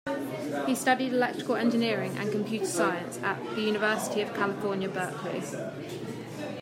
He studied electrical engineering and computer science at the University of California, Berkeley.